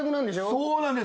そうなんです。